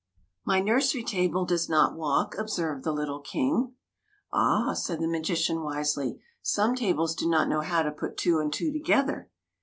" My nursery table does not walk," observed the little King. " Ah," said the magician, wisely, '' some tables do not know how to put two and two together.